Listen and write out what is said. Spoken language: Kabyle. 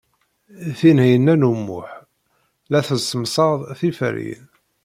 Tinhinan u Muḥ la tessemsad tiferyin.